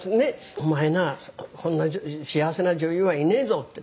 「“お前なこんな幸せな女優はいねえぞ”って」